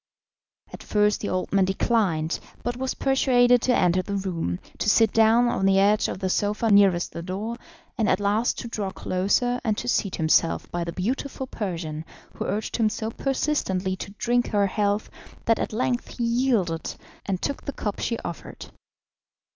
At first the old man declined, but was persuaded to enter the room, to sit down on the edge of the sofa nearest the door, and at last to draw closer and to seat himself by the beautiful Persian, who urged him so persistently to drink her health that at length he yielded, and took the cup she offered.